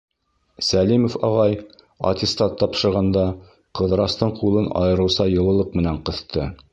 Сәлимов ағай, аттестат тапшырғанда, Ҡыҙырастың ҡулын айырыуса йылылыҡ менән ҡыҫты.